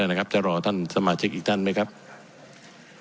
ผมจะขออนุญาตให้ท่านอาจารย์วิทยุซึ่งรู้เรื่องกฎหมายดีเป็นผู้ชี้แจงนะครับ